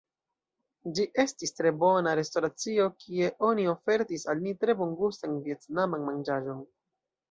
Ĝi estis tre bona restoracio, kie oni ofertis al ni tre bongustan vjetnaman manĝaĵon.